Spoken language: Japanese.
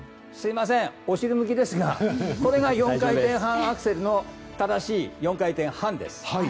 すみません、お尻向きですがこれが４回転半アクセルの正しい４回転半です。